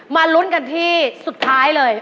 มาลุ้นกันที่สุดท้ายเลย